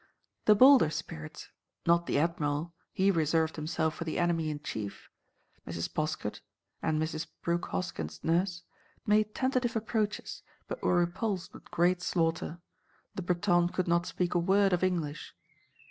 The bolder spirits—not the Admiral: he reserved himself for the enemy in chief—Mrs. Poskett, and Mrs. Brooke Hoskyn's nurse, made tentative approaches, but were repulsed with great slaughter: the Bretonne could not speak a word of English.